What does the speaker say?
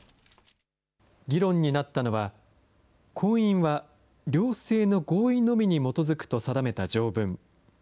議論になったのは、婚姻は両性の合意のみに基づくと定めた条文。